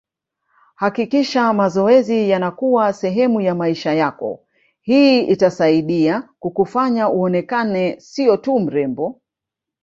Hakikisha mazoezi yanakuwa sehemu ya maisha yako hii itasaidia kukufanya uonekane siyo tu mrembo